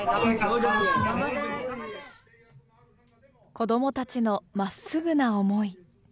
子どもたちのまっすぐな思い。